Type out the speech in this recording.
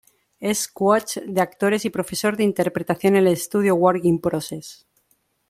Es coach de actores y profesor de interpretación en el Estudio Work in Progress.